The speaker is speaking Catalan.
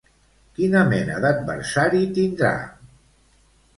Quina mena d'adversari tindrà?